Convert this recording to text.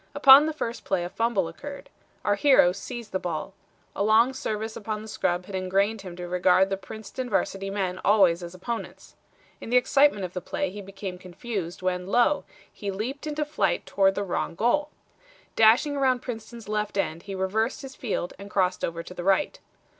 Upon the first play a fumble occurred. Our hero seized the ball. A long service upon the scrub had ingrained him to regard the Princeton Varsity men always as opponents. In the excitement of the play he became confused, when lo! he leaped into flight toward the wrong goal. Dashing around Princeton's left end he reversed his field and crossed over to the right.